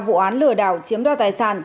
vụ án lừa đảo chiếm đo tài sản